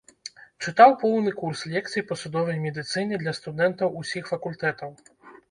Чытаў поўны курс лекцый па судовай медыцыне для студэнтаў усіх факультэтаў.